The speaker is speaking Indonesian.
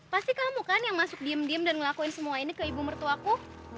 pasti kamu kan yang masuk diem diem dan ngelakuin semua ini ke ibu mertuaku